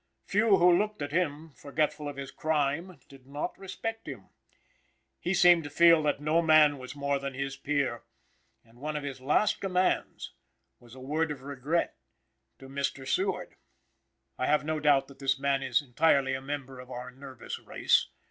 Few who looked at him, forgetful of his crime, did not respect him. He seemed to feel that no man was more than his peer, and one of his last commands was a word of regret to Mr. Seward. I have a doubt that this man is entirely a member of our nervous race.